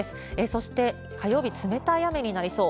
そして火曜日、冷たい雨になりそう。